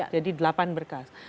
jadi delapan berkas